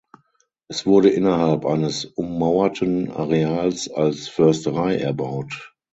Es wurde innerhalb eines ummauerten Areals als Försterei erbaut.